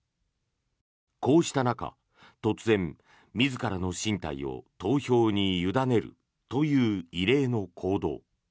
こうした中、突然、自らの進退を投票に委ねるという異例の行動。